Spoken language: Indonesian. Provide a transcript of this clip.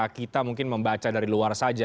kita mungkin membaca dari luar saja